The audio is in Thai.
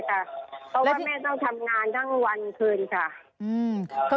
เพราะว่าแม่ต้องทำงานทั้งวันคืนค่ะ